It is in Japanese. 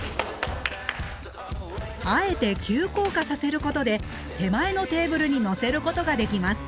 あえて急降下させることで手前のテーブルにのせることができます。